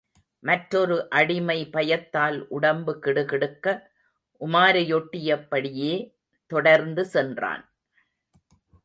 மற்றொரு அடிமை பயத்தால் உடம்பு கிடுகிடுக்க, உமாரையொட்டிய படியே தொடர்ந்து சென்றான்.